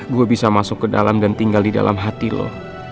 gue bisa masuk ke dalam dan tinggal di dalam hati lo